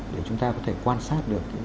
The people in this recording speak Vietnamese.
để chúng ta có thể quan sát được